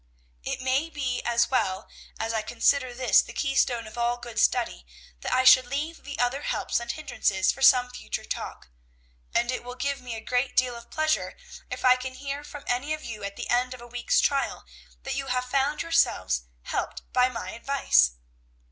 "It may be as well, as I consider this the keystone of all good study, that I should leave the other helps and hindrances for some future talk; and it will give me a great deal of pleasure if I can hear from any of you at the end of a week's trial, that you have found yourselves helped by my advice."